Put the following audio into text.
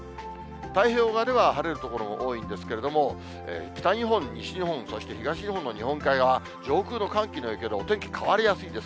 太平洋側では晴れる所も多いんですけれども、北日本、西日本、そして東日本の日本海側、上空の寒気の影響で、お天気変わりやすいです。